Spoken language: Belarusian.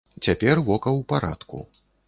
Цяпер вока ў парадку.